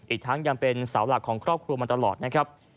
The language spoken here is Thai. อีกทั้งยังเป็นเสาหลักของครอบครัวมาตลอดนะครับ